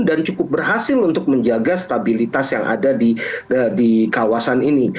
dan cukup berhasil untuk menjaga stabilitas yang ada di kawasan ini